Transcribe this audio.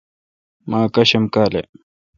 مہ اکاشم کالہ۔